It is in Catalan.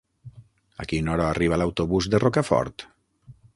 A quina hora arriba l'autobús de Rocafort?